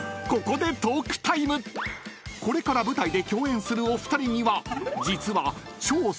［これから舞台で共演するお二人には実は］